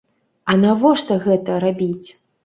А навошта гэта рабіць?